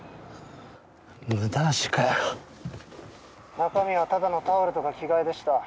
中身はただのタオルとか着替えでした。